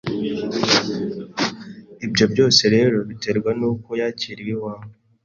Ibyo byose rero biterwa n’uko yakiriwe iwawe.